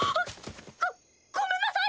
ごごめんなさい！